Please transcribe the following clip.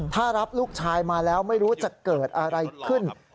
ถ้ารับลูกชายมาแล้วไม่รู้จะเกิดอะไรขึ้น